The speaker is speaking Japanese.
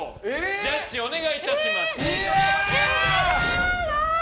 ジャッジお願いいたします。